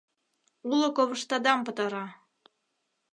Уло ковыштадам пытара.